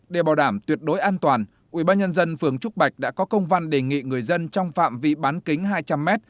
để bảo đảm tuyệt đối an toàn ubnd phường trúc bạch đã có công văn đề nghị người dân trong phạm vị bán kính hai trăm linh m